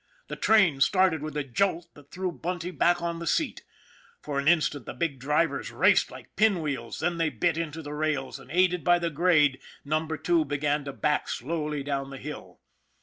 The train started with a jolt that threw Bunty back on the seat. For an instant the big drivers raced like pin wheels, then they bit into the rails, and aided by the grade, Number Two began to back slowly down the hill.